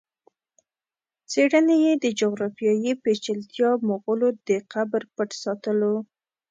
څېړني یې د جغرافیایي پېچلتیا، مغولو د قبر پټ ساتلو